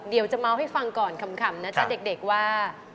เดี๋ยวจะเมาส์ให้ฟังก่อนคำนะจ๊ะเด็กว่า